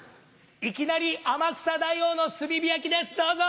いきなり天草大王の炭火焼きですどうぞ！